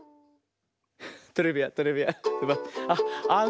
トレビアントレビアン。